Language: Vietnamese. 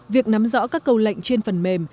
việc nắm rõ các câu lệnh trên phần mềm